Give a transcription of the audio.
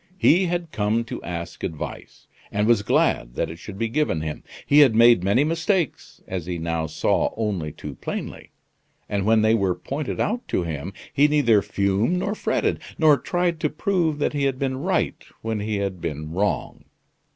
He had come to ask advice, and was glad that it should be given him. He had made many mistakes, as he now saw only too plainly; and when they were pointed out to him he neither fumed nor fretted, nor tried to prove that he had been right when he had been wrong.